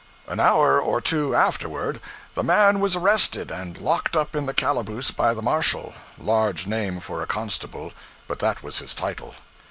An hour or two afterward, the man was arrested and locked up in the calaboose by the marshal large name for a constable, but that was his title.